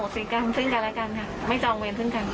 สีกรรมซึ่งกันและกันค่ะไม่จองเวรซึ่งกัน